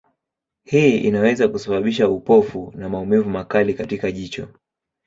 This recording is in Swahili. Hii inaweza kusababisha upofu na maumivu makali katika jicho.